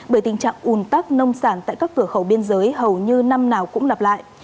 bởi tình trạng ùn tắc nông sản tại các cửa khẩu biên giới hầu như năm nào cũng lặp lại